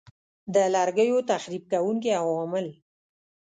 د لرګیو تخریب کوونکي عوامل